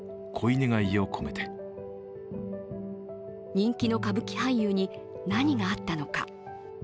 人気の歌舞伎俳優に何があったのか。